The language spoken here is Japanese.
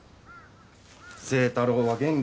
「星太郎は元気？」